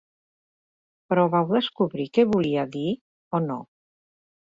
Però vau descobrir què volia dir o no?